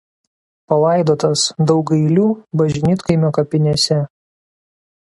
Palaidotas Daugailių bažnytkaimio kapinėse.